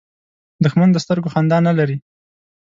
دښمن د سترګو خندا نه لري